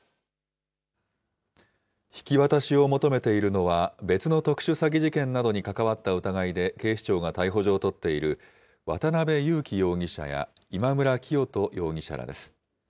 引き渡しを求めているのは、別の特殊詐欺事件などに関わった疑いで警視庁が逮捕状を取っている、渡邉優樹容疑者や今村磨人容疑者らです。